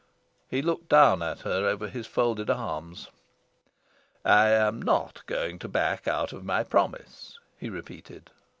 He looked down at her over his folded arms, "I am not going to back out of my promise," he repeated.